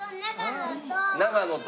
と長野と。